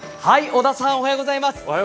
織田さん、おはようございます。